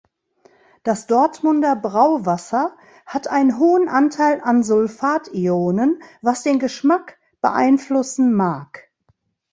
Das Dortmunder Brauwasser hat einen hohen Anteil an Sulfat-Ionen, was den Geschmack beeinflussen mag.